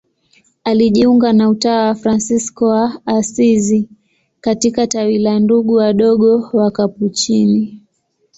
Alijiunga na utawa wa Fransisko wa Asizi katika tawi la Ndugu Wadogo Wakapuchini.